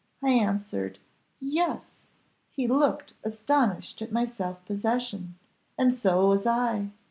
I answered, 'Yes.' He looked astonished at my self possession and so was I.